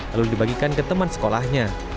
lalu dibagikan ke teman sekolahnya